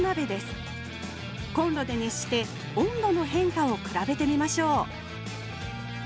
コンロで熱して温度の変化を比べてみましょう